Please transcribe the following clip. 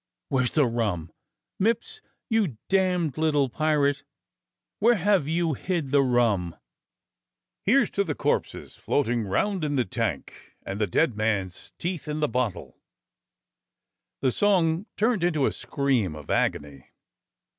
WTiere's the rum? Mipps, you damned little pirate, where have you hid the rum? "Here's to the corpses floating round in the tank; And the dead man's teeth in the bottle." 294 DOCTOR SYN The song turned into a scream of agony.